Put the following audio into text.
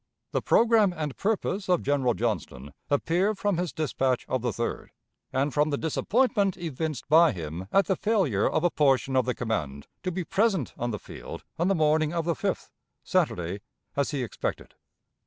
The programme and purpose of General Johnston appear from his dispatch of the 3d, and from the disappointment evinced by him at the failure of a portion of the command to be present on the field on the morning of the 5th (Saturday), as he expected.